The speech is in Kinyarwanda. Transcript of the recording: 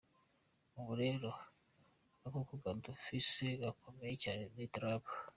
Ubu rero agakoko dufise gakomeye cyane ni Trump.